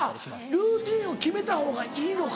ルーティンを決めたほうがいいのか。